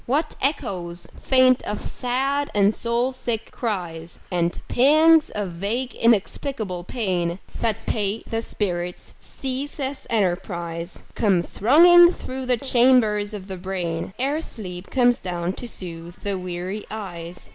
What echoes faint of sad and soul sick cries, And pangs of vague inexplicable pain That pay the spirit's ceaseless enterprise, Come thronging through the chambers of the brain Ere sleep comes down to soothe the weary eyes.